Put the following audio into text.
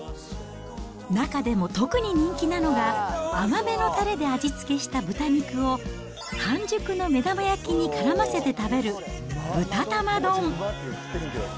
中でも特に人気なのが、甘めのたれで味付けした豚肉を、半熟の目玉焼きにからませて食べる豚玉丼。